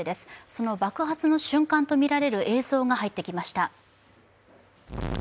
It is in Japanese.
その爆発の瞬間とみられる映像が入ってきました。